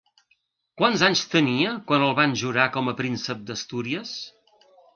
Quants anys tenia quan el van jurar com a príncep d'Astúries?